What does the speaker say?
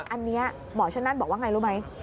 อันนี้หมอชนนั่นบอกว่าไงรู้ไหม